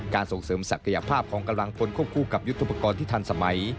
ส่งเสริมศักยภาพของกำลังพลควบคู่กับยุทธปกรณ์ที่ทันสมัย